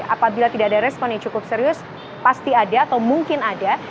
apabila tidak ada respon yang cukup serius pasti ada atau mungkin ada